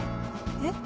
えっ？